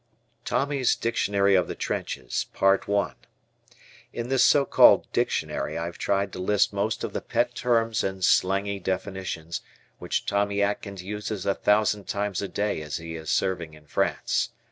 "TOMMY'S DICTIONARY OF THE TRENCHES" In this so called dictionary I have tried to list most of the pet terms and slangy definitions, which Tommy Atkins uses a thousand times a day as he is serving in France.